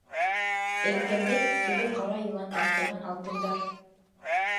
— Әйткәндәй, теге ҡара йылан таптырған алтындар...